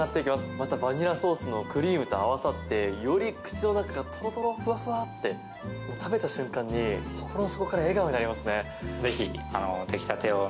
また、バニラソースのクリームと合わさってより口の中がとろとろふわふわってもう食べた瞬間に心の底から笑顔になりますね。